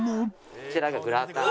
こちらがグラタン。